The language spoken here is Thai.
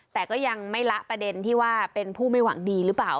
แต่ก็ยังไม่ละประเด็นที่ว่าเป็นผู้ไม่หวังดีหรือเปล่า